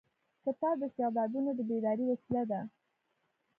کتاب د استعدادونو د بیدارۍ وسیله ده.